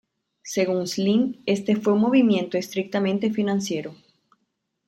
Según Slim, este fue un movimiento estrictamente financiero.